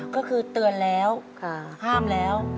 ก็คือเตือนแล้วห้ามแล้ว